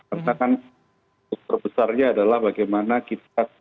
karena kan terbesarnya adalah bagaimana kita